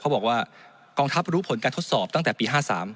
บอกว่ากองทัพรู้ผลการทดสอบตั้งแต่ปี๕๓